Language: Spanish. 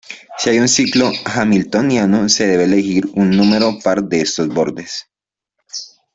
Si hay un ciclo hamiltoniano, se debe elegir un número par de estos bordes.